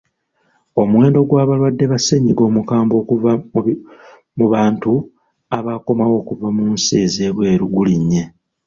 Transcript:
Omuwendo gw'abalwadde ba ssennyiga omukambwe okuva mu bantu abakomawo okuva mu nsi ez'ebweru gulinnye.